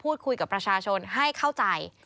พูดคุยกับประชาชนให้เข้าใจ